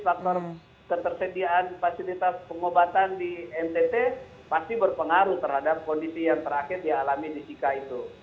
faktor ketersediaan fasilitas pengobatan di ntt pasti berpengaruh terhadap kondisi yang terakhir dialami di sika itu